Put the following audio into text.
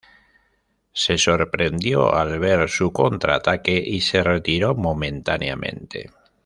Se sorprendió al ver su contraataque y se retiró momentáneamente.